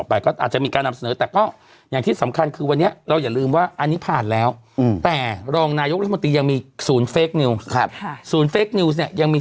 ว่ากันไปนะส่วนศาธารณสุขมีการรายงานสถานการณ์ผู้ป่วยใหม่ในประเทศไทยนะคะวันนี้